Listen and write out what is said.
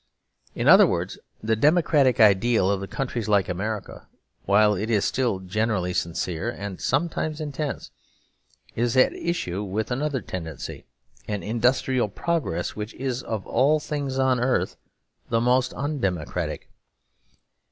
In other words, the democratic ideal of countries like America, while it is still generally sincere and sometimes intense, is at issue with another tendency, an industrial progress which is of all things on earth the most undemocratic.